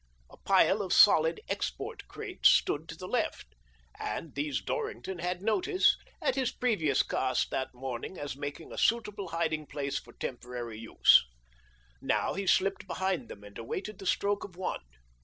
A pile of solid " export " crates stood to the left, and these Dorrington had noted at his previous 180 THE DOBBINGTON DEED BOX call that morning as making a suitable hiding place for temporary use. Now he slipped behind them and awaited the stroke of one.